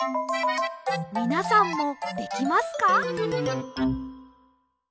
みなさんもできますか？